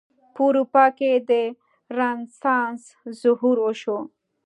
په اروپا کې د رنسانس ظهور وشو.